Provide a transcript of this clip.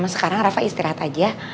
sekarang raffa istirahat aja